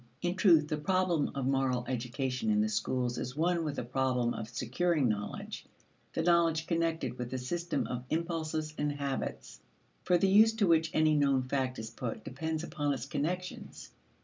In truth, the problem of moral education in the schools is one with the problem of securing knowledge the knowledge connected with the system of impulses and habits. For the use to which any known fact is put depends upon its connections.